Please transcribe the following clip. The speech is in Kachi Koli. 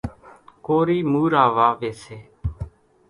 ڪورِي مورا واويَ سي۔